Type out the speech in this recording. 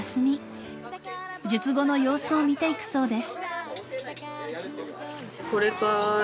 ［術後の様子を見ていくそうです］